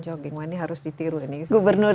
jogging wah ini harus ditiru ini gubernur